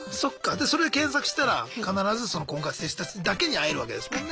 でそれで検索したら必ずその婚活したい人たちだけに会えるわけですもんね。